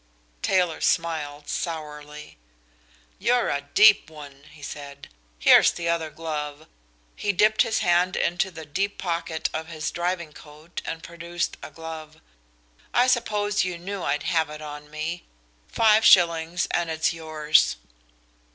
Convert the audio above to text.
Taylor smiled sourly. "You're a deep one," he said. "Here's the other glove." He dipped his hand into the deep pocket of his driving coat and produced a glove. "I suppose you knew I'd have it on me. Five shillings, and it's yours."